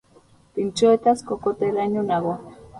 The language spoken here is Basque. Pintxoetaz kokoteraino nago.